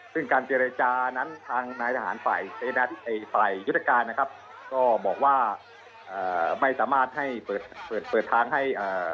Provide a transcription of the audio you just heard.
ซึ่งการเจรจานั้นทางนายทหารฝ่ายยุทธการนะครับก็บอกว่าอ่าไม่สามารถให้เปิดเปิดทางให้เอ่อ